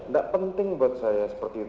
nggak penting buat saya seperti itu